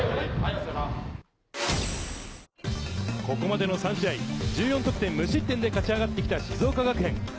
ここまでの３試合、１４得点無失点で勝ち上がってきた静岡学園。